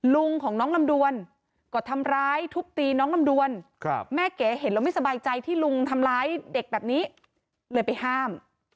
ลุงของน้องลำดวนก็ทำร้ายทุบตีน้องลำดวนแม่เก๋เห็นแล้วไม่สบายใจที่ลุงทำร้ายเด็กแบบนี้เลยไปห้าม